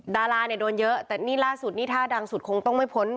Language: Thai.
ดาราเนี่ยโดนเยอะแต่นี่ล่าสุดนี่ถ้าดังสุดคงต้องไม่พ้น